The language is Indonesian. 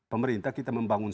pemerintah kita membangun